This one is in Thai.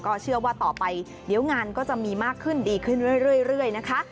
เชื่อว่าต่อไปเดี๋ยวงานก็จะมีมากขึ้นดีขึ้นเรื่อยนะคะ